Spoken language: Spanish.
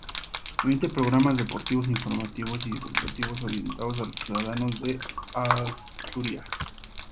Emite programas deportivos, informativos y divulgativos, orientados a los ciudadanos de Asturias.